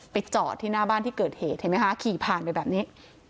จอดที่หน้าบ้านที่เกิดเหตุเห็นไหมคะขี่ผ่านไปแบบนี้